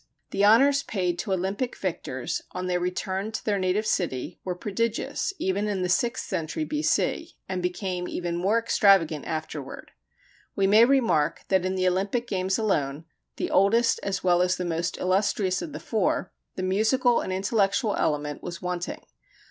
The honors paid to Olympic victors, on their return to their native city, were prodigious even in the sixth century B.C., and became even more extravagant afterward. We may remark that in the Olympic games alone, the oldest as well as the most illustrious of the four, the musical and intellectual element was wanting.